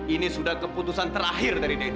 ini sudah keputusan terakhir dari dp